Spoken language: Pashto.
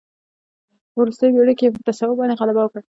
په وروستیو پېړیو کې پر تصوف باندې غلبه وکړه.